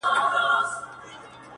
اورونه دې دستي- ستا په لمن کي جانانه-